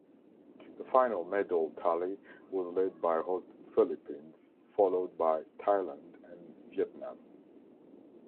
The final medal tally was led by host Philippines, followed by Thailand and Vietnam.